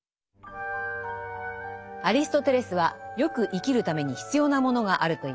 アリストテレスは善く生きるために必要なものがあると言います。